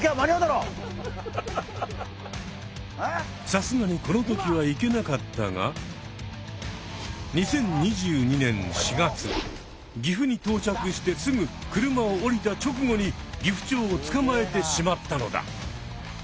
さすがにこの時は行けなかったが２０２２年４月岐阜に到着してすぐ車を降りた直後にギフチョウをつかまえてしまったのだ。